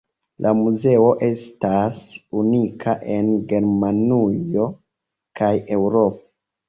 La muzeo estas unika en Germanujo kaj Eŭropo.